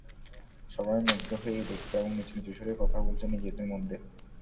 সবাই মুগ্ধ হয়ে দেখছে এবং নিচু সুরে কথা বলছেন নিজেদের মধ্যে।